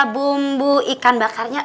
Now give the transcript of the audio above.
bumbu ikan bakarnya